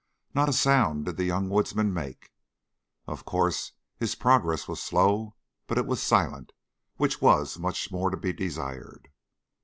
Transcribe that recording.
Not a sound did the young woodsman make. Of course his progress was slow, but it was silent, which was much more to be desired.